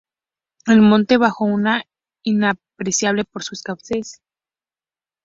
El monte bajo es inapreciable por su escasez.